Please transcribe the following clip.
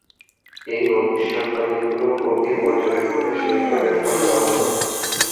এই ভবিষ্যৎবাণীগুলো গভীর পর্যবেক্ষণের সহিত ব্যাখ্যা করা হলো।